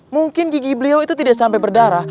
mungkin gigi beliau itu tidak sampai berdarah